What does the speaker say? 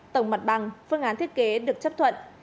tổng mặt bằng phương án thiết kế được chấp thuận